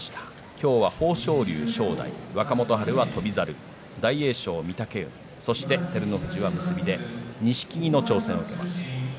今日は豊昇龍、正代若元春は翔猿大栄翔は御嶽海そして照ノ富士は結びで錦木の挑戦を受けます。